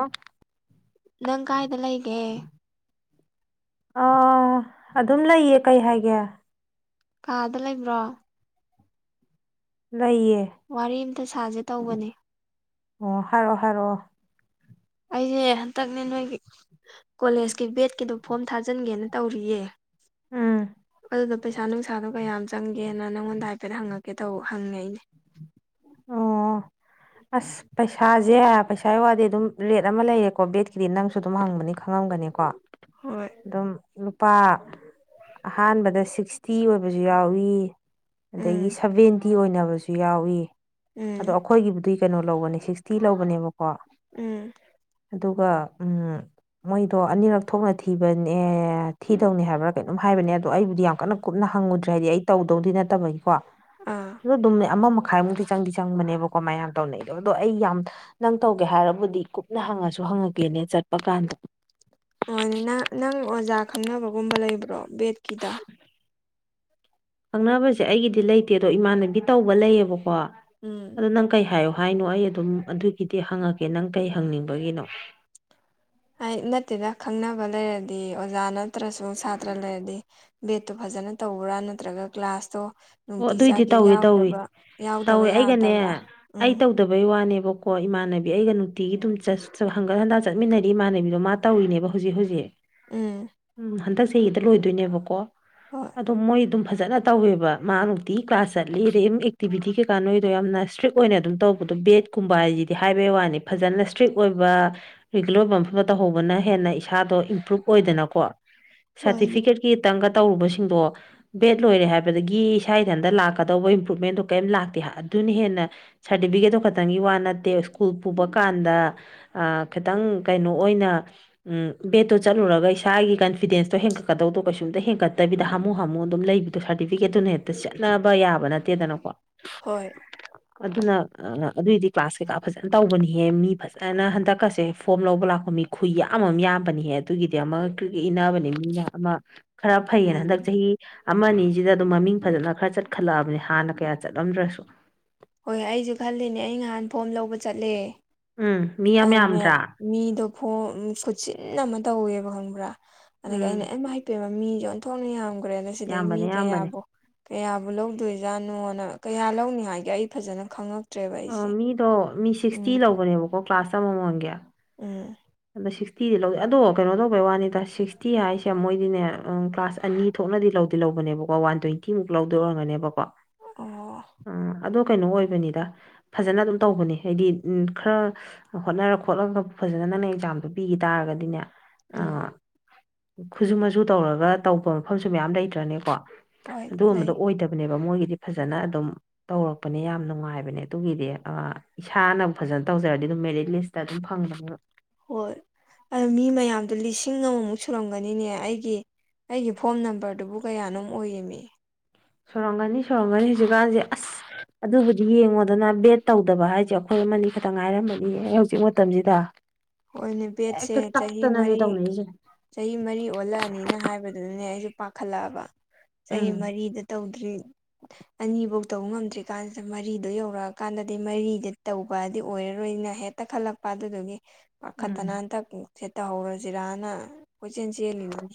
ꯑꯣ ꯅꯪ ꯀꯥꯏꯗ ꯂꯩꯒꯦ ꯑ ꯑꯗꯨꯝ ꯂꯩꯌꯦ ꯀꯩ ꯍꯥꯏꯒꯦ ꯀꯥꯗ ꯂꯩꯕ꯭ꯔꯣ ꯂꯩꯌꯦ ꯋꯥꯔꯤ ꯑꯝꯇ ꯁꯥꯁꯦ ꯇꯧꯕꯅꯦ꯫ ꯑꯣ ꯍꯥꯏꯔꯣ ꯍꯥꯏꯔꯣ ꯑꯩꯁꯦ ꯍꯟꯇꯛꯅꯦ ꯅꯣꯏꯒꯤ ꯀꯣꯂꯦꯖꯀꯤ ꯕꯦꯠꯀꯤꯗꯣ ꯐꯣꯝ ꯊꯥꯖꯤꯟꯒꯦꯅ ꯇꯧꯔꯤꯌꯦ꯫ ꯎꯝ [unintelligible] ꯄꯩꯁꯥ ꯅꯨꯡꯁꯥꯗꯣ ꯀꯌꯥꯝ ꯆꯪꯒꯦꯅ ꯅꯪꯉꯣꯟꯗ ꯍꯥꯏꯐꯦꯠ ꯍꯪꯉꯥꯛꯀꯦ ꯇꯧꯕ ꯍꯪꯉꯥꯛꯏꯅꯦ꯫ ꯑꯣ [inaudible] ꯑꯁ ꯄꯩꯁꯥꯁꯦ ꯄꯩꯁꯥꯒꯤ ꯋꯥꯗꯤ ꯑꯗꯨꯝ ꯔꯦꯠ ꯑꯃ ꯂꯩꯔꯦꯀꯣ ꯕꯦꯠꯀꯤꯗꯤ ꯅꯪꯁꯨ ꯑꯗꯨꯝ ꯍꯪꯕꯅꯤꯅ ꯈꯪꯉꯝꯒꯅꯤꯀꯣ꯫ ꯍꯣꯏ ꯑꯗꯨꯝ ꯂꯨꯄꯥ ꯑꯍꯥꯟꯕꯗ ꯁꯤꯛꯁꯇꯤ ꯑꯣꯏꯕꯁꯨ ꯌꯥꯎꯋꯤ ꯑꯗꯒꯤ ꯎꯝ ꯁꯚꯦꯟꯇꯤ ꯑꯣꯏꯅꯕꯁꯨ ꯌꯥꯎꯏ꯫ ꯑꯗꯣ ꯎꯝ ꯑꯩꯈꯣꯏꯒꯤꯕꯨꯗꯤ ꯀꯩꯅꯣ ꯂꯧꯕꯅꯦ ꯁꯤꯛꯁꯇꯤ ꯂꯧꯕꯅꯦꯕꯀꯣ꯫ ꯎꯝ ꯑꯗꯨꯒ ꯎꯝ ꯃꯣꯏꯗꯣ ꯑꯅꯤꯔꯛ ꯊꯣꯛꯅ ꯊꯤꯕꯅꯦ ꯊꯤꯗꯧꯅꯦ ꯍꯥꯏꯕ꯭ꯔꯥ ꯀꯩꯅꯣꯝ ꯍꯥꯏꯕꯅꯦ ꯑꯗꯣ ꯑꯩꯕꯨꯗꯤ ꯌꯥꯝ ꯀꯟꯅ ꯀꯨꯞꯅ ꯍꯪꯉꯨꯗ꯭ꯔꯦ ꯍꯥꯏꯗꯤ ꯑꯩ ꯇꯧꯗꯧꯗꯤ ꯅꯠꯇꯕꯒꯤꯀꯣ ꯑꯣ ꯑꯗꯣ ꯑꯗꯨꯝꯅꯦ ꯑꯃ ꯃꯈꯥꯏꯃꯨꯛꯇꯤ ꯆꯪꯗꯤ ꯆꯪꯕꯅꯦꯕꯀꯣ ꯃꯌꯥꯝ ꯇꯧꯅꯩꯗꯣ ꯑꯗꯣ ꯑꯩ ꯌꯥꯝ ꯅꯪ ꯇꯧꯒꯦ ꯍꯥꯏꯔꯕꯨꯗꯤ ꯀꯨꯞꯅ ꯍꯪꯉꯁꯨ ꯍꯪꯉꯥꯛꯀꯦꯅꯦ ꯆꯠꯄ ꯀꯥꯟꯗ ꯔꯣꯂꯤꯅ ꯅꯪ ꯑꯣꯖꯥ ꯈꯪꯅꯕꯒꯨꯝꯕ ꯂꯩꯕ꯭ꯔꯣ ꯕꯦꯠꯀꯤꯗ ꯈꯪꯅꯕꯁꯦ ꯑꯩꯒꯤꯗꯤ ꯂꯩꯇꯦ ꯑꯗꯣ ꯏꯃꯥꯟꯅꯕꯤ ꯇꯧꯕ ꯂꯩꯌꯦꯕꯀꯣ꯫ ꯎꯝ ꯑꯗꯣ ꯅꯪ ꯀꯩ ꯍꯥꯏꯌꯣ ꯍꯥꯏꯅꯣ ꯑꯩ ꯑꯗꯨꯝ ꯑꯗꯨꯒꯤꯗꯤ ꯍꯪꯉꯥꯛꯀꯦ ꯅꯪ ꯀꯩ ꯍꯪꯅꯤꯡꯕꯒꯤꯅꯣ꯫ ꯑꯩ ꯅꯠꯇꯦꯗ ꯈꯪꯅꯕ ꯂꯩꯔꯗꯤ ꯑꯣꯖꯥꯅ ꯅꯠꯇ꯭ꯔꯁꯨ ꯁꯥꯇ꯭ꯔ ꯂꯩꯔꯗꯤ ꯕꯦꯠꯇꯨ ꯐꯖꯅ ꯇꯧꯕ꯭ꯔꯥ ꯅꯠꯇ꯭ꯔꯒ ꯀ꯭ꯂꯥꯁꯇꯣ ꯑꯣ ꯑꯗꯨꯏꯗꯤ ꯅꯨꯡꯇꯤꯖꯒꯤ ꯇꯧꯏ ꯇꯧꯏ ꯌꯥꯎꯗꯕ ꯌꯥꯎꯗꯕ ꯌꯥꯗꯕ꯭ꯔꯥ ꯎꯝ ꯇꯧꯕꯩ ꯋꯥꯅꯦꯕꯀꯣ ꯏꯃꯥꯟꯅꯕꯤ ꯑꯩꯒ ꯅꯨꯡꯇꯤꯒꯤ ꯑꯗꯨꯨꯝ ꯆꯠꯁꯨ ꯍꯪꯒꯠ ꯍꯟꯗ ꯆꯠꯃꯤꯟꯅꯔꯤ ꯏꯃꯥꯟꯅꯕꯤꯗꯣ ꯃꯥ ꯇꯧꯔꯤꯅꯦꯕ ꯍꯧꯖꯤꯛ ꯍꯧꯖꯤꯛ ꯎꯝ ꯎꯝ ꯍꯟꯗꯛ ꯆꯍꯤꯗ ꯂꯣꯏꯗꯣꯏꯅꯦꯕꯀꯣ꯫ ꯍꯣꯏ ꯑꯗꯣ ꯃꯣꯏ ꯑꯗꯨꯝ ꯐꯖꯅ ꯇꯧꯋꯦꯕ꯫ ꯃꯥ ꯅꯨꯡꯇꯤꯒꯤ ꯀ꯭ꯂꯥꯁ ꯆꯠꯂꯤ ꯑꯗꯩꯝ ꯑꯦꯛꯇꯤꯚꯤꯇꯤ ꯀꯩꯀꯥ ꯅꯣꯏꯗꯣ ꯌꯥꯝꯅ ꯁꯇ꯭ꯔꯤꯛ ꯑꯣꯏꯅ ꯑꯗꯨꯝ ꯇꯧꯕꯗꯣ ꯕꯦꯠ ꯀꯨꯝꯕꯥꯏꯁꯤꯗꯤ ꯍꯥꯏꯕꯩ ꯋꯥꯅꯤ ꯐꯖꯅ ꯁꯇ꯭ꯔꯤꯛ ꯑꯣꯏꯕ ꯔꯤꯒꯨꯂꯔ ꯑꯣꯏꯕ ꯃꯐꯝꯗ ꯇꯧꯍꯧꯕꯅ ꯍꯦꯟꯅ ꯏꯁꯥꯗꯣ ꯏꯝꯄ꯭ꯔꯨꯞ ꯑꯣꯏꯗꯅꯀꯣ ꯃꯥꯅꯤ ꯁꯥꯔꯇꯤꯐꯤꯀꯦꯠꯀꯤ ꯈꯤꯇꯪꯒ ꯇꯧꯔꯨꯕꯁꯤꯡꯗꯣ ꯕꯦꯠ ꯂꯣꯏꯔꯦ ꯍꯥꯏꯕꯗꯒꯤ ꯌꯦ ꯏꯁꯥ ꯏꯊꯟꯇ ꯂꯥꯛꯀꯗꯧꯕ ꯏꯝꯄ꯭ꯔꯨꯞꯃꯦꯟꯗꯣ ꯀꯤꯝ ꯂꯥꯛꯇꯦ ꯍꯥ ꯑꯗꯨꯅ ꯍꯦꯟꯅ ꯁꯥꯔꯇꯤꯐꯤꯀꯦꯠꯇꯣ ꯈꯥꯇꯪꯒꯤ ꯋꯥ ꯅꯠꯇꯦ ꯁ꯭ꯀꯨꯜ ꯄꯨꯕ ꯀꯥꯟꯗ ꯑ ꯈꯤꯇꯪ ꯀꯩꯅꯣ ꯑꯣꯏꯅ ꯎꯝ ꯕꯦꯠꯇꯣ ꯆꯠꯂꯨꯔꯒ ꯏꯁꯥꯒꯤ ꯀꯟꯐꯤꯗꯦꯟꯁꯇꯣ ꯍꯦꯟꯀꯠꯀꯗꯧꯗꯣ ꯀꯩꯁꯨꯝꯇ ꯍꯦꯟꯀꯠꯇꯕꯤꯗ ꯍꯥꯃꯨ ꯍꯥꯃꯨ ꯑꯗꯨꯝ ꯂꯩꯕꯗꯣ ꯁꯥꯔꯇꯤꯐꯤꯀꯦꯠꯇꯨꯅ ꯍꯦꯛꯇ ꯆꯠꯅꯕ ꯌꯥꯕ ꯅꯠꯇꯦꯗꯅꯀꯣ꯫ ꯍꯣꯏ ꯑꯗꯨꯅ ꯑꯗꯨꯏꯗꯤ ꯀ꯭ꯂꯥꯁ ꯀꯩꯀꯥ ꯐꯖꯅ ꯇꯧꯕꯅꯤꯍꯦ ꯃꯤ ꯐꯖꯅ ꯍꯟꯗꯛꯀꯁꯦ ꯐꯣꯝ ꯂꯧꯕ ꯂꯥꯛꯄ ꯃꯤ ꯈꯨꯏꯌꯥꯝ ꯌꯥꯝꯕꯅꯤꯍꯦ ꯑꯗꯨꯒꯤꯗꯤ ꯑꯃ ꯀꯔꯤ ꯀꯔꯤ ꯏꯟꯅꯕꯅꯤ ꯃꯤꯅ ꯑꯃ ꯈꯔ ꯐꯩꯌꯦꯅ ꯎꯝ ꯍꯟꯗꯛ ꯆꯍꯤ ꯑꯃꯅꯤ ꯖꯤꯗ ꯑꯗꯨꯝ ꯃꯃꯤꯡ ꯐꯖꯅ ꯈꯔ ꯆꯠꯈꯠꯂꯛꯑꯕꯅꯤ ꯍꯥꯟꯅ ꯀꯌꯥ ꯆꯠꯂꯝꯗ꯭ꯔꯁꯨ ꯍꯣꯏ ꯑꯩꯖꯨ ꯈꯜꯂꯤꯅꯦ ꯑꯩ ꯉꯍꯥꯟ ꯐꯣꯝ ꯂꯧꯕ ꯆꯠꯂꯦ ꯎꯝ ꯃꯤ ꯌꯥꯝ ꯑꯗꯨꯅꯦ ꯌꯥꯝꯗ꯭ꯔꯥ ꯃꯤꯗꯣ ꯈꯣꯡ ꯈꯨꯠꯁꯆꯟ ꯑꯃ ꯇꯧꯋꯦꯕ ꯈꯪꯕ꯭ꯔꯥ ꯑꯗꯒꯤ ꯑꯩꯅ ꯎꯝ ꯑꯃꯥꯏꯄꯦꯃ ꯃꯤꯖꯦ ꯑꯣꯟꯊꯣꯛꯅ ꯌꯥꯝꯒ꯭ꯔꯦꯗ ꯁꯤꯗꯒꯤ ꯃꯤ ꯌꯥꯝꯕꯅꯦ ꯌꯥꯝꯕꯅꯦ ꯀꯌꯥꯕꯨ ꯀꯌꯥꯕꯨ ꯂꯧꯗꯣꯏꯖꯥꯠꯅꯣꯅ ꯀꯌꯥ ꯂꯧꯅꯤ ꯍꯥꯏꯒꯦ ꯑꯩ ꯐꯖꯅ ꯈꯪꯉꯛꯇ꯭ꯔꯦꯕ ꯑꯩꯖꯦ ꯑꯣ ꯃꯤ ꯁꯤꯛꯁꯇꯤ ꯂꯧꯕꯅꯦꯕꯀꯣ ꯀ꯭ꯂꯥꯁꯇ ꯑꯃꯃꯝꯒꯤ ꯎꯝ ꯑꯗꯣ ꯁꯤꯛꯁꯇꯤꯗꯤ ꯂꯧꯗꯦ ꯑꯗꯣ ꯀꯩꯅꯣ ꯇꯧꯕꯩ ꯋꯥꯅꯤꯗ ꯁꯤꯛꯁꯇꯤ ꯍꯥꯏꯁꯦ ꯃꯣꯏꯗꯤꯅꯦ ꯀ꯭ꯂꯥꯁ ꯑꯅꯤ ꯊꯣꯛꯅꯗꯤ ꯂꯧꯗꯤ ꯂꯧꯕꯅꯦꯕꯀꯣ ꯋꯥꯟ ꯇ꯭ꯋꯦꯟꯇꯤꯃꯨꯛ ꯂꯧꯗ ꯑꯣꯏꯔꯒꯅꯦꯕꯀꯣ ꯑꯣ ꯎꯝ ꯑꯗꯣ ꯀꯩꯅꯣ ꯑꯣꯏꯕꯅꯤꯗ ꯐꯖꯅ ꯑꯗꯨꯝ ꯇꯧꯕꯅꯦ ꯍꯥꯏꯗꯤ ꯎꯝ ꯈꯔ ꯍꯣꯠꯅꯔ ꯈꯣꯠꯂꯒ ꯐꯖꯅ ꯅꯪꯅꯦ ꯑꯦꯛꯖꯥꯝꯗꯣ ꯄꯤꯒꯤ ꯇꯥꯔꯒꯗꯤꯅꯦ ꯎꯝ ꯈꯨꯁꯨꯨ ꯃꯆꯨ ꯇꯧꯔꯒ ꯇꯧꯕ ꯃꯐꯝꯁꯨ ꯃꯌꯥꯝ ꯂꯩꯇ꯭ꯔꯅꯦꯀꯣ ꯍꯣꯏ ꯑꯗꯨꯒꯨꯝꯕꯗꯣ ꯂꯩ ꯑꯣꯏꯗꯕꯅꯦꯕ ꯃꯣꯏꯒꯤꯗꯤ ꯐꯖꯅ ꯑꯗꯨꯝ ꯇꯧꯔꯛꯄꯅꯦ ꯌꯥꯝ ꯅꯨꯡꯉꯥꯏꯕꯅꯦ ꯑꯗꯨꯒꯤꯗꯤ ꯑꯥ ꯏꯁꯥꯅ ꯐꯖꯅ ꯇꯧꯖꯔꯗꯤ ꯑꯗꯨꯝ ꯃꯦꯔꯤꯠ ꯂꯤꯁ ꯑꯗꯨꯝ ꯐꯪꯗꯕ ꯍꯣꯏ ꯑꯗꯨ ꯃꯤ ꯃꯌꯥꯝꯗꯣ ꯂꯤꯁꯤꯡ ꯑꯃꯃꯨꯛ ꯁꯨꯔꯝꯒꯅꯤꯅꯦ ꯑꯩꯒꯤ ꯑꯩꯒꯤ ꯐꯣꯟ ꯅꯝꯕꯔꯗꯨꯕꯨ ꯀꯌꯥꯅꯣꯝ ꯑꯣꯏꯔꯤꯃꯤ ꯁꯨꯔꯝꯒꯅꯤ ꯁꯨꯔꯝꯒꯅꯤ ꯍꯧꯖꯤꯛꯀꯥꯟꯁꯦ ꯑꯁ ꯑꯗꯨꯕꯨꯗꯤ ꯌꯦꯡꯉꯣꯗꯅ ꯕꯦꯠ ꯇꯧꯗꯕ ꯍꯥꯏꯁꯦ ꯑꯩꯈꯣꯏ ꯑꯃꯅꯤ ꯈꯇꯪ ꯉꯥꯏꯔꯝꯃꯅꯤ ꯍꯧꯖꯤꯛ ꯃꯇꯝꯁꯤꯗ ꯍꯣꯏꯅꯦ ꯕꯦꯠꯁꯦ ꯍꯦꯛꯇ ꯆꯍꯤ ꯇꯛꯇꯅꯅꯦ ꯃꯔꯤ ꯇꯧꯅꯩꯖꯦ ꯆꯍꯤ ꯃꯔꯤ ꯑꯣꯜꯂꯛꯑꯅꯤꯅ ꯍꯥꯏꯕꯗꯨꯅꯅꯦ ꯑꯩꯁꯨ ꯄꯥꯈꯠꯂꯛꯑꯕ ꯆꯍꯤ ꯎꯝ ꯃꯔꯤꯗ ꯇꯧꯗ꯭ꯔꯤ ꯑꯅꯤꯐꯧ ꯇꯧꯕ ꯉꯝꯗ꯭ꯔꯤ ꯀꯥꯟꯁꯤꯗ ꯃꯔꯤꯗꯣ ꯌꯧꯔꯛꯑꯀꯥꯟꯗꯗꯤ ꯃꯔꯤꯗꯤ ꯇꯧꯕꯗꯤ ꯑꯣꯏꯔꯔꯣꯏꯅ ꯍꯦꯛ ꯇꯛꯈꯠꯂꯛꯄ ꯑꯗꯨꯗꯨꯒꯤ ꯎꯝ ꯄꯥꯈꯠꯇꯅ ꯍꯟꯗꯛꯀꯤ ꯁꯤ ꯇꯧꯍꯧꯔꯁꯤꯔꯥꯅ ꯀꯣꯏꯆꯦꯜ ꯆꯦꯜꯂꯤꯅꯤꯅꯦ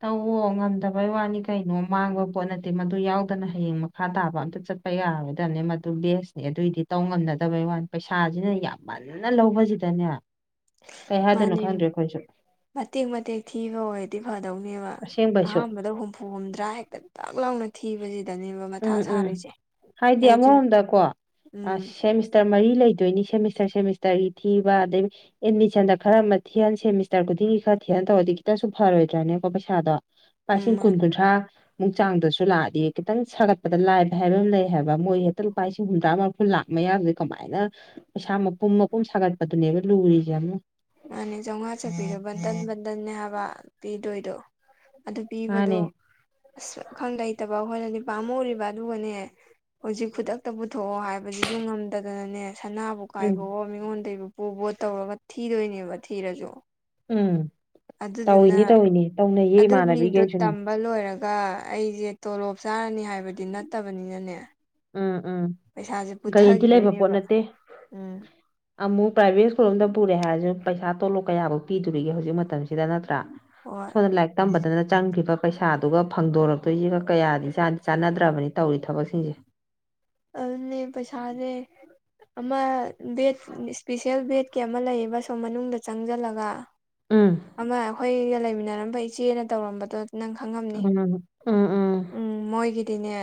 ꯇꯧꯋꯣ ꯉꯝꯗꯕꯩ ꯋꯥꯅꯤ ꯀꯩꯅꯣ ꯃꯥꯡꯕ ꯄꯣꯠ ꯅꯠꯇꯦ ꯃꯗꯨ ꯌꯥꯎꯗꯅ ꯍꯌꯦꯡ ꯃꯈꯥ ꯇꯥꯕ ꯑꯝꯇ ꯆꯠ ꯇꯌꯥꯔꯥꯔꯣꯏꯗꯕꯅꯦ ꯃꯗꯨ ꯕꯦꯁꯅꯦ ꯑꯗꯨꯏꯗꯤ ꯇꯧ ꯉꯝꯅꯗꯕꯩ ꯋꯥꯅꯤ ꯄꯩꯁꯥꯖꯤꯅ ꯌꯥꯝꯃꯟꯅ ꯂꯧꯕꯖꯤꯗꯅꯦ ꯀꯩ ꯍꯥꯏꯗꯣꯏꯅꯣ ꯃꯥꯅꯦ ꯈꯪꯗ꯭ꯔꯦ ꯑꯩꯈꯣꯏꯖꯨ ꯃꯇꯦꯛ ꯃꯇꯦꯛ ꯊꯤꯕ ꯑꯣꯏꯔꯗꯤ ꯐꯗꯧꯅꯦꯕ ꯑꯁꯦꯡꯕꯩꯁꯨ ꯑꯍꯥꯟꯕꯗ ꯍꯨꯝꯐꯨ ꯍꯨꯝꯐꯨ ꯍꯨꯝꯗ꯭ꯔꯥ ꯍꯦꯛꯇ ꯇꯥꯛ ꯂꯥꯎꯅ ꯊꯤꯕꯁꯤ ꯎꯝ ꯎꯝ ꯍꯥꯏꯗꯤ ꯑꯩꯁꯨ ꯑꯃꯔꯣꯝꯗꯀꯣ ꯑꯥ ꯎꯝ ꯁꯦꯃꯤꯁ ꯇꯔ ꯃꯔꯤ ꯂꯩꯗꯣꯏꯅꯤ ꯁꯦꯃꯤꯁꯇꯔ ꯁꯦꯃꯤꯁꯇꯔꯒꯤ ꯊꯤꯕ ꯑꯗꯨꯗꯒꯤ ꯑꯦꯠꯃꯤꯁꯟꯗ ꯈꯔ ꯑꯃ ꯊꯤꯍꯟ ꯁꯦꯃꯤꯁꯇꯔ ꯈꯨꯗꯤꯡꯒꯤ ꯈꯔ ꯊꯤꯍꯟ ꯇꯧꯔꯗꯤ ꯈꯤꯇꯁꯨ ꯐꯔꯣꯏꯗ꯭ꯔꯅꯦꯀꯣ ꯄꯩꯁꯥꯗꯣ ꯂꯨꯄꯥ ꯎꯝ ꯂꯤꯁꯤꯡ ꯀꯨꯟ ꯃꯥꯅꯦ ꯀꯨꯟꯊ꯭ꯔ ꯃꯨꯛ ꯆꯥꯡꯗꯁꯨ ꯂꯥꯛꯑꯗꯤ ꯈꯤꯇꯪ ꯁꯥꯒꯠꯄꯗ ꯂꯥꯏꯕ ꯍꯥꯏꯕ ꯑꯃ ꯂꯩ ꯍꯥꯏꯕ ꯃꯣꯏ ꯍꯦꯛꯇ ꯂꯨꯄꯥ ꯂꯤꯁꯤꯡ ꯍꯨꯝꯗ꯭ꯔꯥ ꯃꯔꯐꯨ ꯂꯥꯛ ꯃꯌꯥꯖꯦ ꯀꯃꯥꯏꯅ ꯄꯩꯁꯥ ꯃꯄꯨꯝ ꯃꯄꯨꯝ ꯁꯥꯒꯠꯄꯗꯨꯅꯦꯕ ꯂꯨꯔꯤꯖꯦ ꯑꯃꯨ ꯃꯥꯅꯦ ꯆꯥꯝꯉꯥ ꯆꯞꯄꯤꯗꯣ ꯕꯟꯗꯟ ꯕꯟꯗꯟꯅꯦ ꯍꯥꯏꯕ ꯄꯤꯗꯣꯏꯗꯣ ꯑꯗꯨ ꯄꯤꯕꯗꯨ ꯃꯥꯅꯦ ꯑꯁ ꯂꯩꯇꯕ ꯑꯩꯈꯣꯏꯗꯗꯤ ꯄꯥꯝꯃꯨꯔꯤꯕ ꯑꯗꯨꯒꯅꯦ ꯍꯧꯖꯤꯛ ꯈꯨꯗꯛꯇ ꯄꯨꯊꯣꯛꯑꯣ ꯍꯥꯏꯕꯖꯤꯖꯨ ꯉꯝꯗꯗꯅꯅꯦ ꯁꯅꯥꯕꯨ ꯎꯝ ꯀꯥꯏꯕꯑꯣ ꯃꯤꯉꯣꯟꯗꯩꯕꯨ ꯄꯨꯕꯑꯣ ꯇꯧꯔꯒ ꯊꯤꯗꯣꯏꯅꯦꯕ ꯊꯤꯔꯖꯨ ꯎꯝ ꯑꯗꯨꯗꯨꯅ ꯇꯧꯏꯅꯤ ꯇꯧꯏꯅꯤ ꯇꯧꯅꯩꯌꯦ ꯑꯗꯨꯒꯤꯗꯣ ꯏꯃꯥꯟꯅꯕꯤꯈꯩꯁꯨꯅꯦ ꯇꯝ ꯕ ꯂꯣꯏꯔꯒ ꯑꯩꯖꯦ ꯇꯣꯂꯣꯞ ꯆꯥꯔꯅꯤ ꯍꯥꯏꯕꯗꯤ ꯅꯠꯇꯕꯅꯤꯅꯅꯦ ꯎꯝ ꯎꯝ ꯄꯩꯁꯥꯁꯦ ꯒꯔꯦꯟꯇꯤ ꯂꯩꯕ ꯄꯣꯠ ꯄꯨꯊꯒꯤꯗꯣꯏꯅꯦꯕ ꯅꯠꯇꯦ ꯎꯝ ꯑꯃꯨꯛ ꯄ꯭ꯔꯥꯏꯚꯦꯠ ꯁ꯭ꯀꯨꯜ ꯑꯝꯗ ꯄꯨꯔꯦ ꯍꯥꯏꯔꯁꯨ ꯄꯩꯁꯥ ꯇꯣꯂꯣꯞ ꯀꯌꯥꯕꯨ ꯄꯤꯗꯣꯔꯤꯒꯦ ꯍꯧꯖꯤꯛ ꯃꯇꯝꯁꯤꯗ ꯅꯠꯇ꯭ꯔꯥ ꯍꯣꯏ ꯁꯣꯟꯗ ꯂꯥꯏꯔꯤꯛ ꯇꯝꯕꯗꯅ ꯆ ꯆꯪ꯭ꯈꯤꯕ ꯄꯩꯁꯥꯗꯨꯒ ꯐꯪꯗꯣꯔꯛꯇꯣꯏꯁꯤꯒ ꯀꯌꯥꯗꯤ ꯆꯥꯟꯗꯤ ꯆꯅꯗ꯭ꯔꯥꯕꯅꯤ ꯇꯧꯔꯤ ꯊꯕꯛꯁꯤꯡꯁꯦ ꯑꯗꯨꯅꯦ ꯄꯩꯁꯥꯁꯦ ꯑꯃ ꯕꯦꯠ ꯏ꯭ꯁꯄꯤꯁꯦꯜ ꯕꯦꯠꯀꯤ ꯑꯃ ꯂꯩꯌꯦꯕ ꯑꯁꯣꯝ ꯃꯅꯨꯡꯗ ꯆꯪꯖꯟꯂꯒ ꯎꯝ ꯑꯃ ꯑꯩꯈꯣꯏꯒ ꯂꯩꯃꯤꯟꯅꯔꯝꯕ ꯏꯆꯦꯅ ꯇꯧꯔꯝꯕꯗꯣ ꯅꯪ ꯈꯪꯉꯝꯅꯤ ꯎꯝ ꯎꯝ ꯎꯝ ꯃꯣꯏꯒꯤꯗꯤꯅꯦ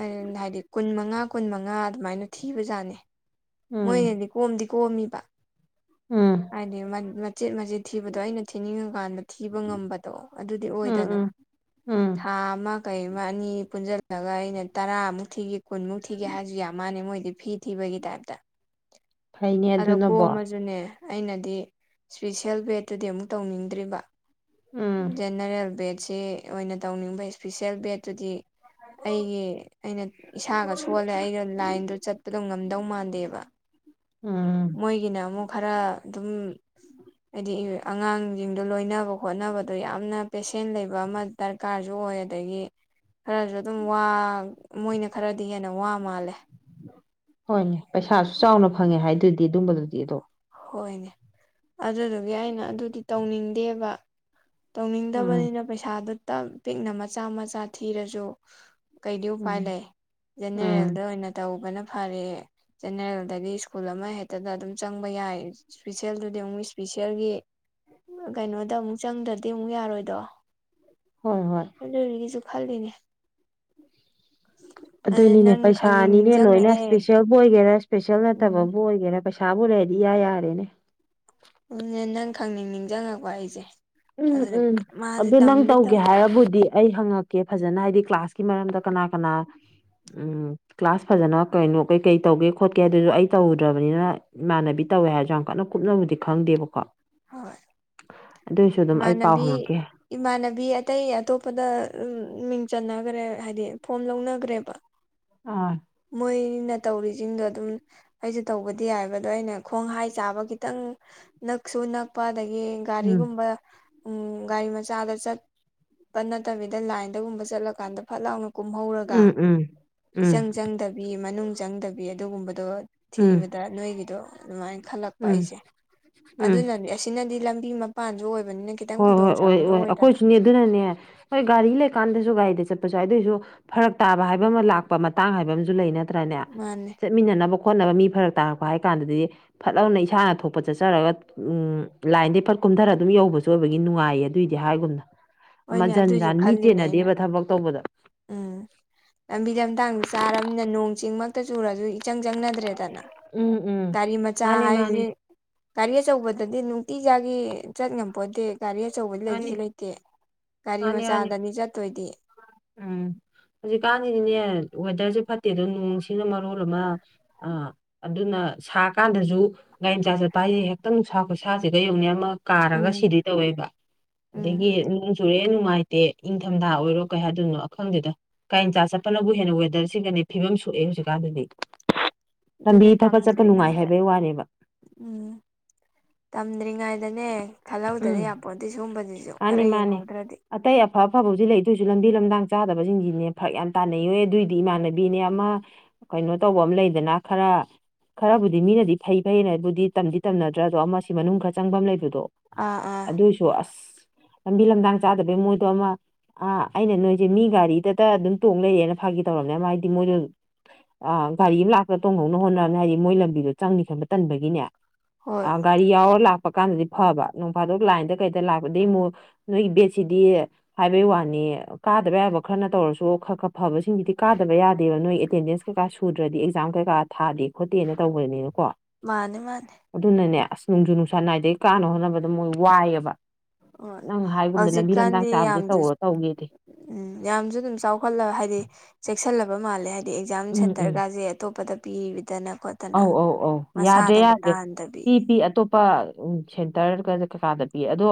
ꯑꯔꯟ [unintelligible] ꯍꯥꯏꯗꯤ ꯀꯨꯟ ꯃꯉꯥ ꯀꯨꯟ ꯃꯉꯥ ꯑꯗꯨꯃꯥꯏꯅ ꯊꯤꯕꯖꯥꯠꯅꯤ ꯎꯝ ꯃꯣꯏꯅꯗꯤ ꯀꯣꯝꯗꯤ ꯀꯣꯝꯃꯤꯕ ꯎꯝ ꯍꯥꯏꯗꯤ ꯃꯟ ꯃꯆꯤꯠ ꯃꯆꯤꯠ ꯊꯤꯕꯗꯣ ꯑꯩꯅ ꯊꯤꯅꯤꯡꯉꯀꯥꯟꯗ ꯊꯤꯕ ꯉꯝꯕꯗꯣ ꯑꯗꯨꯗꯤ ꯑꯣꯏꯗꯅ ꯎꯝ ꯎꯝ ꯊꯥ ꯑꯃ ꯀꯩ ꯑꯃ ꯑꯅꯤ ꯄꯨꯟꯖꯟꯂꯒ ꯑꯩꯅ ꯇꯔꯥꯃꯨꯛ ꯊꯤꯒꯤ ꯀꯨꯟꯃꯨꯛ ꯊꯤꯒꯦ ꯍꯥꯏꯔꯖꯨ ꯌꯥ ꯃꯥꯟꯅꯦ ꯃꯣꯏꯗꯤ ꯐꯤ ꯊꯤꯕꯒꯤ ꯇꯥꯏꯞꯇ ꯐꯩꯅꯦ ꯑꯗꯣ ꯑꯗꯨꯅꯕꯣ ꯀꯣꯝꯃꯖꯨꯅꯦ ꯑꯩꯅꯗꯤ ꯏ꯭ꯁꯄꯤꯁꯦꯜ ꯕꯦꯠꯇꯨꯗꯤ ꯑꯃꯨꯛ ꯇꯧꯅꯤꯡꯗ꯭ꯔꯤꯕ ꯎꯝ ꯖꯦꯅꯔꯦꯜ ꯕꯦꯠꯁꯦ ꯑꯣꯏꯅ ꯇꯧꯅꯤꯡꯕ ꯏ꯭ꯁꯄꯤꯁꯦꯜ ꯕꯦꯠꯇꯨꯗꯤ ꯑꯩꯒꯤ ꯑꯩꯅ ꯏꯁꯥꯒ ꯁꯣꯜꯂꯦ ꯑꯩꯅ ꯂꯥꯏꯟꯗ ꯆꯠꯄꯗꯣ ꯉꯝꯗꯧ ꯃꯥꯟꯗꯦꯕ ꯎꯝ ꯃꯣꯏꯒꯤꯅ ꯑꯃꯨꯛ ꯈꯔ ꯗꯨꯝ ꯍꯥꯏꯗꯤ ꯑꯉꯥꯡꯖꯤꯡꯗꯣ ꯂꯣꯏꯅꯕ ꯈꯣꯠꯅꯕꯗꯣ ꯌꯥꯝꯅ ꯄꯦꯁꯦꯟ ꯂꯩꯕ ꯑꯃ ꯗ꯭ꯔꯀꯥꯔꯖꯨ ꯑꯣꯏ ꯑꯗꯒꯤ ꯈꯔꯁꯨ ꯑꯗꯨꯝ ꯋꯥ ꯃꯣꯏꯅ ꯈꯔꯗꯤ ꯍꯦꯟꯅ ꯋꯥ ꯃꯥꯜꯂꯦ ꯍꯣꯏꯅꯦ ꯄꯩꯁꯥꯁꯨ ꯆꯥꯎꯅ ꯐꯪꯉꯦ ꯍꯥꯏꯗꯨꯗꯤ ꯑꯗꯨꯝꯕꯗꯨꯗꯤ ꯑꯗꯣ ꯍꯣꯏꯅꯦ ꯑꯗꯨꯗꯨꯒꯤ ꯑꯩꯅ ꯑꯗꯨꯗꯤ ꯇꯧꯅꯤꯡꯗꯦꯕ ꯎꯝ ꯇꯧꯅꯤꯡꯗꯕꯅꯤꯅ ꯄꯩꯁꯥꯗꯨ ꯇꯞ ꯄꯤꯛꯅ ꯃꯆꯥ ꯃꯆꯥ ꯊꯤꯔꯖꯨ ꯀꯩꯗꯤ ꯎꯄꯥꯏ ꯎꯝ ꯂꯩ ꯎꯝ ꯖꯦꯅꯦꯔꯦꯜꯗ ꯑꯣꯏꯅ ꯇꯧꯕꯅ ꯐꯔꯦ ꯖꯦꯅꯦꯔꯦꯜꯗꯒꯤ ꯁ꯭ꯀꯨꯜ ꯑꯃ ꯍꯦꯛꯇꯗ ꯑꯗꯨꯝ ꯆꯪꯕ ꯌꯥꯏ ꯏ꯭ꯁꯄꯤꯁꯦꯜꯗꯨꯗꯤ ꯑꯃꯨꯛ ꯏ꯭ꯁꯄꯤꯁꯦꯜꯒꯤ ꯀꯩꯅꯣꯗ ꯑꯃꯨꯛ ꯆꯪꯗ ꯗꯤ ꯑꯃꯨꯛ ꯌꯥꯔꯣꯏꯗꯣ ꯍꯣꯏ ꯍꯣꯏ ꯑꯗꯨꯗꯨꯒꯤꯁꯨ ꯈꯜꯂꯤꯅꯦ ꯑꯗꯨꯅ ꯑꯗꯨꯅꯤꯅꯦ ꯅꯪ ꯈꯪꯅꯤꯡ ꯄꯩꯁꯥꯅꯤꯅꯦ ꯂꯣꯏꯅ ꯅꯤꯡꯁꯤꯡꯉꯛꯑꯦ ꯏꯁꯄꯤꯁꯦꯜ ꯕꯨ ꯑꯣꯏꯒꯦꯔꯥ ꯏ꯭ꯁꯄꯦꯁꯦꯜ ꯎꯝ ꯅꯠꯇꯕꯕꯨ ꯑꯣꯏꯒꯦꯔꯥ ꯄꯩꯁꯥꯕꯨ ꯂꯩꯔꯗꯤ ꯌꯥ ꯌꯥꯔꯦꯅꯦ ꯑꯗꯨꯅꯦ ꯅꯪ ꯈꯪꯅꯤꯡ ꯅꯤꯡꯖꯪꯉꯛꯄ ꯑꯩꯁꯦ ꯎꯝ ꯎꯝ ꯑꯗꯨꯗꯨꯒꯤ ꯃꯥꯗꯤ ꯑꯗꯨ ꯅꯪ ꯇꯝꯗꯤ ꯇꯝ ꯇꯧꯒꯦ ꯍꯥꯏꯔꯕꯨꯗꯤ ꯑꯩ ꯍꯪꯉꯛꯀꯦ ꯐꯖꯅ ꯍꯥꯏꯗꯤ ꯀ꯭ꯂꯥꯁꯀꯤ ꯃꯔꯝꯗ ꯀꯅꯥ ꯀꯅꯥ ꯎꯝ ꯀ꯭ꯂꯥꯁ ꯐꯖꯅ ꯀꯩꯅꯣ ꯀꯩ ꯀꯩ ꯇꯧꯒꯦ ꯈꯣꯠꯀꯦ ꯑꯗꯨꯁꯨ ꯑꯩ ꯇꯧꯗ꯭ꯔꯕꯅꯤꯅ ꯏꯃꯥꯟꯅꯕꯤ ꯇꯧꯋꯦ ꯍꯥꯏꯔꯖꯨ ꯌꯥꯝ ꯀꯟꯅ ꯀꯨꯞꯅꯕꯨꯗꯤ ꯈꯪꯗꯦꯕꯀꯣ ꯍꯣꯏ ꯑꯗꯨꯏꯁꯨ ꯑꯗꯨꯝ ꯑꯩ ꯄꯥꯎ ꯏꯃꯥꯅꯕꯤ ꯍꯪꯉꯛꯀꯦ ꯏꯃꯥꯟꯅꯕꯤ ꯑꯇꯩ ꯑꯇꯣꯞꯄꯗ ꯃꯤꯡ ꯆꯟꯅꯒꯔꯦ ꯍꯥꯏꯗꯤ ꯐꯣꯝ ꯂꯧꯅꯒꯔ꯭ꯦꯕ ꯑꯥ ꯃꯣꯏꯅ ꯇꯧꯔꯤꯖꯤꯡꯗꯣ ꯑꯗꯨꯝ ꯑꯩꯁꯨ ꯇꯧꯕꯗꯤ ꯌꯥꯏꯌꯦꯕ ꯑꯗꯣ ꯑꯩꯅ ꯈꯣꯡ ꯍꯥꯏ ꯆꯥꯕ ꯈꯤꯇꯪ ꯅꯛꯁꯨ ꯅꯛꯄ ꯑꯗꯒꯤ ꯎꯝ ꯒꯥꯔꯤꯒꯨꯝꯕ ꯎꯝ ꯒꯥꯔꯤ ꯃꯆꯥꯗ ꯆꯠꯄ ꯅꯠꯇꯕꯤꯗ ꯂꯥꯏꯟꯗꯒꯨꯝꯕ ꯆꯠꯂꯀꯥꯟꯗ ꯐꯠ ꯂꯥꯎꯅ ꯀꯨꯝꯍꯧꯔꯒ ꯎꯝ ꯎꯝ ꯎꯝ ꯏꯆꯪ ꯗꯕꯤ ꯃꯅꯨꯡ ꯆꯪꯗꯕꯤ ꯑꯗꯨꯒꯨꯝꯕꯗꯣ ꯎꯝ ꯊꯤꯕꯗ ꯅꯣꯏꯒꯤꯗꯣ ꯑꯗꯨꯃꯥꯏꯅ ꯈꯜꯂꯛꯄ ꯎꯝ ꯑꯩꯖꯦ ꯎꯝ ꯑꯗꯨꯅꯅꯤ ꯑꯁꯤꯅꯗꯤ ꯂꯝꯕꯤ ꯃꯄꯥꯟꯖꯨ ꯑꯣꯏꯕꯅꯤꯅ ꯈꯤꯇꯪ ꯍꯣꯏ ꯍꯣꯏ ꯑꯣꯏ ꯈꯨꯗꯣꯡꯆꯥꯥꯕꯗꯣ ꯑꯣꯏ ꯑꯣꯏꯗꯅ ꯑꯩꯈꯣꯏꯁꯨꯅꯦ ꯑꯗꯨꯅꯅꯦ ꯍꯣꯏ ꯒꯥꯔꯤ ꯂꯩꯀꯥꯟꯗꯖꯨ ꯒꯥꯔꯤꯗ ꯆꯠꯄꯖꯨ ꯌꯥꯎ ꯑꯗꯨꯏꯖꯨ ꯐꯔꯛ ꯇꯥꯕ ꯍꯥꯏꯕ ꯑꯃ ꯂꯥꯛꯄ ꯃꯇꯥꯡ ꯍꯥꯏꯕ ꯑꯃꯖꯨ ꯂꯩꯅ ꯇ꯭ꯔꯅꯦ ꯃꯥꯅꯦ ꯆꯠꯃꯤꯟꯅꯅꯕ ꯈꯣꯠꯅꯕ ꯃꯤ ꯐꯔꯛ ꯇꯥꯔꯛꯄ ꯍꯥꯏ ꯀꯥꯟꯗꯗꯤ ꯐꯠ ꯂꯥꯎꯅ ꯏꯁꯥꯅ ꯊꯣꯛꯄ ꯆꯠꯆꯔꯒ ꯎꯝ ꯂꯥꯏꯟꯗꯩ ꯐꯠ ꯀꯨꯝꯊꯔ ꯑꯗꯨꯝ ꯌꯧꯕꯁꯨ ꯖꯨꯑꯣꯏꯕꯒꯤ ꯅꯨꯡꯉꯥꯏꯌꯦ ꯑꯗꯨꯏꯗꯤ ꯍꯥꯏꯒꯨꯝꯅ ꯑꯃ ꯍꯣꯏꯅꯦ ꯖꯟ ꯑꯗꯨꯏꯁꯨ ꯖꯥꯟ ꯃꯤ ꯈꯜꯂꯤꯅꯦ ꯑꯩꯅ ꯆꯦꯟꯅꯗꯦꯕ ꯊꯕꯛ ꯇꯧꯕꯗ ꯎꯝ ꯂꯝꯕꯤ ꯂꯝꯗꯥꯡꯗꯣ ꯆꯥꯔꯝꯅꯤꯅ ꯅꯣꯡ ꯆꯤꯡꯃꯛꯇ ꯆꯨꯔꯖꯨ ꯏꯆꯪ ꯆꯪꯅꯗ꯭ꯔꯦꯗꯅ ꯎꯝ ꯎꯝ ꯗꯥꯔꯤ ꯃꯆꯥ ꯃꯥꯅꯤ ꯃꯥꯅꯤ ꯍꯥꯏꯖꯦ ꯒꯥꯔꯤ ꯑꯆꯧꯕꯗꯗꯤ ꯅꯨꯡꯇꯤꯖꯥꯒꯤ ꯆꯠ ꯉꯝꯄꯣꯟꯇꯦ ꯒꯥꯔꯤ ꯑꯆꯧꯕ ꯃꯥꯅꯤ ꯂꯩꯖꯨ ꯂꯩꯇꯦ ꯒꯥꯔꯤ ꯃꯥꯅꯤ ꯃꯥꯅꯤ ꯃꯆꯥꯗꯅꯤ ꯆꯠꯇꯣꯏꯗꯤ ꯎꯝ ꯍꯧꯖꯤꯛꯀꯥꯟꯒꯤꯗꯤꯅꯦ ꯋꯦꯗꯔꯁꯦ ꯐꯠꯇꯦꯗꯣ ꯅꯣꯡꯁꯤꯡꯅ ꯃꯔꯣꯜ ꯑꯃ ꯑꯥ ꯑꯗꯨꯅ ꯁꯥ ꯀꯥꯟꯗꯖꯨ ꯒꯥꯔꯤ ꯃꯆꯥ ꯆꯠꯄ ꯍꯥꯏꯖꯦ ꯍꯦꯛꯇꯥ ꯅꯨꯡꯁꯥ ꯈꯨꯁꯥꯖꯤꯒꯥ ꯌꯦꯡꯉꯨꯅꯦ ꯑꯃ ꯀꯥꯔꯒ ꯎꯝ ꯁꯤꯗꯨꯏ ꯇꯧꯋꯦꯕ꯫ ꯎꯝ ꯗꯒꯤ ꯅꯣꯡ ꯆꯨꯔꯛꯑꯦ ꯅꯨꯡꯉꯥꯏꯇꯦ ꯏꯪꯊꯝꯊꯥ ꯑꯣꯏꯔꯣ ꯀꯩ ꯍꯥꯏꯗꯣꯏꯅꯣ ꯑꯈꯪꯗꯦꯗ ꯀꯥꯔꯤ ꯃꯆꯥ ꯆꯠꯄꯅꯕꯨ ꯍꯦꯟꯅ ꯋꯦꯗꯔꯁꯤꯒꯅꯤ ꯐꯤꯕꯝ ꯁꯣꯛꯑꯦ ꯍꯧꯖꯤꯛꯀꯥꯟꯗꯗꯤ ꯂꯝꯕꯤ ꯑꯗꯨꯅꯦ ꯐꯕ ꯆꯠꯄ ꯅꯨꯡꯉꯥꯏ ꯇꯝꯗ꯭ꯔꯤꯉꯩꯗ ꯍꯥꯏꯕꯩ ꯋꯥꯅꯦꯕ ꯎꯝ ꯇꯝꯗ꯭ꯔꯤꯉꯩꯗꯅꯦ꯫ ꯈꯜꯍꯧꯗꯗꯤ ꯎꯝ ꯌꯥꯄꯣꯟꯇꯦ ꯁꯤꯒꯨꯝꯕꯖꯤꯖꯨ ꯃꯥꯅꯤ ꯈꯔ ꯃꯥꯅꯤ ꯌꯦꯡꯍꯧꯗ꯭ꯔꯗꯤ ꯑꯇꯩ ꯑꯐ ꯑꯐꯕ ꯍꯧꯖꯤ ꯂꯩꯗꯣꯏꯁꯨ ꯂꯝꯕꯤ ꯂꯝꯗꯡ ꯆꯥꯗꯕꯁꯤꯡꯁꯤꯅꯦ ꯐꯔꯛ ꯌꯥꯝ ꯇꯥꯟꯅꯩꯌꯣ ꯑꯗꯨꯑꯣꯏꯗꯤ ꯏꯃꯥꯟꯅꯕꯤꯅꯦ ꯑꯃ ꯀꯩꯅꯣ ꯇꯧꯕ ꯑꯝ ꯂꯩꯗꯅ ꯈꯔ ꯈꯔꯕꯨꯗꯤ ꯃꯤꯅꯗꯤ ꯐꯩ ꯐꯩꯅꯕꯨꯗꯤ ꯇꯝꯗꯤ ꯇꯝꯅꯗ꯭ꯔꯥ ꯑꯗꯣ ꯑꯃꯁꯤ ꯃꯅꯨꯡ ꯈꯔ ꯆꯪꯕ ꯑꯃ ꯂꯩꯕꯗꯣ ꯑꯥ ꯑꯥ ꯗꯨꯏꯁꯨ ꯑꯁ ꯂꯝꯕꯤ ꯂꯝꯗꯥꯡ ꯆꯥꯗꯕꯩ ꯃꯣꯏꯗꯣ ꯑꯃ ꯑꯥ ꯑꯩꯅ ꯅꯣꯏꯖꯦ ꯃꯤ ꯒꯥꯔꯤꯗꯇ ꯑꯗꯨꯝ ꯇꯣꯡ ꯂꯩꯔꯦꯅ ꯐꯥꯒꯤ ꯇꯧꯔꯝꯅꯦ ꯑꯃ ꯍꯥꯏꯗꯤ ꯃꯣꯏꯗꯣ ꯑ ꯒꯥꯔꯤ ꯑꯝ ꯂꯥꯛꯄꯗ ꯇꯣꯡꯍꯧꯅ ꯍꯣꯠꯅꯕꯅꯦ ꯍꯥꯏꯗꯤ ꯃꯣꯏ ꯂꯝꯕꯤꯗꯣ ꯆꯪꯅꯤ ꯈꯟꯕ ꯇꯟꯕꯒꯤꯅꯦ ꯍꯣꯏ ꯑ ꯒꯥꯔꯤ ꯌꯥꯎꯔ ꯂꯥꯛꯄ ꯀꯥꯟꯗꯗꯤ ꯐꯕ ꯅꯣꯡꯐꯥꯗꯣꯛ ꯂꯥꯏꯟꯗ ꯀꯩꯗ ꯂꯥꯛꯄꯗꯤ ꯑꯃꯨꯛ ꯅꯣꯏꯒꯤ ꯕꯦꯠꯁꯤꯗꯤ ꯍꯥꯏꯕꯩ ꯋꯥꯅꯤ ꯀꯥꯗꯕ ꯌꯥꯕ ꯈꯔꯅ ꯇꯧꯔꯁꯨ ꯈ ꯈ ꯐꯕꯁꯤꯡꯒꯤꯗꯤ ꯀꯥꯗꯕ ꯌꯥꯗꯦꯕ ꯅꯣꯏ ꯑꯦꯇꯦꯟꯗꯦꯟꯁ ꯀꯩꯀꯥ ꯁꯨꯗ꯭ꯔꯗꯤ ꯑꯦꯛꯖꯥꯝ ꯀꯩꯀꯥ ꯊꯥꯗꯦ ꯈꯣꯠꯇꯦꯅ ꯇꯧꯕꯅꯤꯅꯀꯣ ꯃꯥꯅꯦ ꯃꯥꯅꯦ ꯑꯗꯨꯅꯅꯦ ꯑꯁ ꯅꯨꯡꯖꯨ ꯅꯨꯡ ꯁꯥ ꯅꯥꯏꯗꯩ ꯀꯥꯅ ꯍꯣꯠꯅꯕꯗ ꯃꯣꯏ ꯋꯥꯏꯌꯦꯕ ꯍꯣꯏ ꯅꯪ ꯍꯥꯏꯒꯨꯝꯗ ꯂꯝꯕꯤ ꯂꯝꯗꯥꯡ ꯍꯧꯖꯤꯛꯀꯥꯟꯗꯤ ꯆꯥꯕꯖꯦ ꯌꯥꯝꯁꯨ ꯇꯧꯔꯣ ꯇꯧꯒꯦꯗꯤ ꯎꯝ ꯌꯥꯝꯖꯨ ꯗꯨꯝ ꯆꯥꯎꯈꯠꯂ ꯍꯥꯏꯗꯤ ꯆꯦꯛꯁꯜꯂꯕ ꯃꯥꯜꯂꯦ ꯍꯥꯏ ꯗꯤ ꯑꯦꯛꯖꯥꯝ ꯎꯝ ꯎꯝ ꯁꯦꯟꯇꯔꯒꯖꯦ ꯑꯇꯣꯞꯄꯗ ꯄꯤꯗꯅ ꯈꯣꯠ ꯑꯧ ꯑꯧ ꯑꯧ ꯌꯥꯗ꯭ꯔꯦ ꯌꯥꯗ꯭ꯔꯦ ꯄꯤ ꯄꯤ ꯑꯇꯣꯞ ꯄ ꯎꯝ ꯁꯦꯟꯇ꯭ꯔꯒ ꯀꯩꯀꯥꯗ ꯄꯤ ꯑꯗꯣ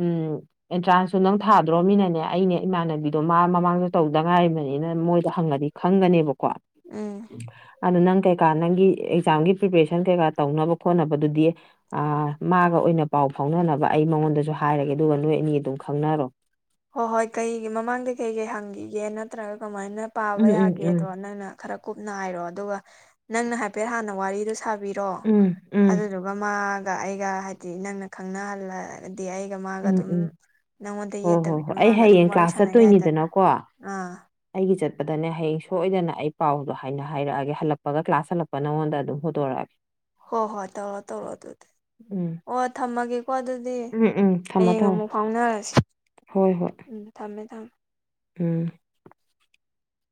ꯎꯝ ꯑꯦꯟꯇ꯭ꯔꯥꯟꯁꯁꯨꯨ ꯅꯪ ꯊꯥꯗ꯭ꯔꯣꯃꯤꯅꯅꯦ ꯑꯩꯅꯦ ꯏꯃꯥꯟꯅꯕꯤꯗꯣ ꯃꯥ ꯃꯃꯥꯡꯗ ꯇꯧꯗ ꯉꯥꯏꯔꯤꯕꯅꯤꯅ ꯃꯣꯏꯗ ꯍꯪꯉꯗꯤ ꯈꯪꯒꯅꯦꯕꯀꯣ ꯎꯝ ꯑꯗꯨ ꯅꯪ ꯀꯩꯀꯥ ꯅꯪꯒꯤ ꯑꯦꯛꯖꯥꯝꯒꯤ ꯄ꯭ꯔꯤꯄꯦꯔꯦꯁꯟ ꯀꯩꯀꯥ ꯇꯧꯅꯕ ꯈꯣꯠꯅꯕꯗꯨꯗꯤ ꯑ ꯃꯥꯒ ꯑꯣꯏꯅ ꯄꯥꯎ ꯐꯥꯎꯅꯅꯕ ꯑꯩ ꯃꯉꯣꯟꯗꯁꯨ ꯍꯥꯏꯔꯒꯦ ꯑꯗꯨꯒ ꯅꯣꯏ ꯑꯅꯤ ꯑꯗꯨꯝ ꯈꯪꯅꯔꯣ ꯍꯣꯏ ꯍꯣꯏ ꯀꯩꯒꯤ ꯃꯃꯥꯡꯗ ꯀꯩ ꯀꯩ ꯍꯪꯈꯤꯒꯦ ꯅꯠꯇ꯭ꯔꯥꯒ ꯀꯃꯥꯏꯅ ꯄꯥꯕ ꯎꯝ ꯎꯝ ꯎꯝ ꯌꯥꯒꯦꯗꯣ ꯅꯪꯅ ꯈꯔ ꯀꯨꯞꯅ ꯍꯥꯏꯔꯣ ꯑꯗꯨꯒ ꯅꯪꯅ ꯍꯥꯏꯐꯦꯠ ꯍꯥꯟꯅ ꯋꯥꯔꯤꯗꯣ ꯁꯥꯕꯤꯔꯣ ꯎꯝ ꯎꯝ ꯑꯗꯨꯗꯨ ꯃꯥꯒ ꯑꯩꯒ ꯍꯥꯏꯗꯤ ꯅꯪꯅ ꯈꯪꯅꯍꯜꯂ ꯑꯗꯤ ꯑꯩꯒ ꯃꯥꯒ ꯎꯝ ꯑꯗꯨꯝ ꯎꯝ ꯅꯪꯉꯣꯟꯗ ꯍꯣ ꯌꯦꯠ ꯍꯣ ꯇꯕꯤꯗ ꯍꯣꯏ ꯑꯩ ꯃꯥꯒ ꯑꯗꯨꯝ ꯍꯌꯦꯡ ꯋꯥꯔꯤ ꯀ꯭ꯂꯥꯁ ꯁꯥꯟꯅꯩ ꯌꯥꯏꯗꯅ ꯆꯠꯇꯣꯏꯅꯤꯗꯅꯀꯣ ꯑꯥ ꯑꯩꯒꯤ ꯆꯠꯄꯗꯅꯦ ꯍꯌꯦꯡ ꯁꯣꯏꯗꯅ ꯑꯩ ꯄꯥꯎꯗꯣ ꯍꯥꯏꯅ ꯍꯥꯏꯔꯛꯑꯒꯦ ꯍꯜꯂꯛꯄꯒ ꯀ꯭ꯂꯥꯁ ꯍꯜꯂꯛ ꯄ ꯅꯪꯉꯣꯟꯗ ꯑꯗꯨꯝ ꯍ‌ꯣꯗ‌ꯣꯔꯛꯑꯒꯦ ꯍꯣ ꯍꯣꯏ ꯇꯧꯔꯣ ꯇꯧꯔꯣ ꯑꯗꯨꯗꯤ ꯎꯝ ꯑꯣ ꯊꯝꯃꯒꯦꯀꯣ ꯑꯗꯨꯗꯤ ꯎꯝ ꯎꯝ ꯊꯝꯃꯣ ꯍꯌꯦꯡ ꯊꯝꯃꯣ ꯑꯃꯨꯛ ꯐꯥꯎꯅꯔꯁꯤ ꯍꯣꯏ ꯍꯣꯏ ꯎꯝ ꯊꯝꯃꯦ ꯊꯝꯃꯦ ꯎꯝ